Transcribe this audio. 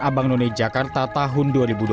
abang none jakarta tahun dua ribu dua puluh dua